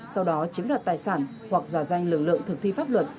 sau đó chiếm đoạt tài sản hoặc giả danh lực lượng thực thi pháp luật